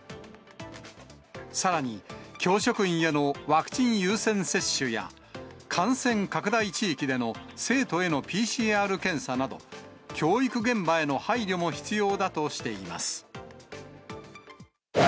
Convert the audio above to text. さらに、教職員へのワクチン優先接種や、感染拡大地域での生徒へのＰＣＲ検査など、教育現場への配慮も必要だとしています。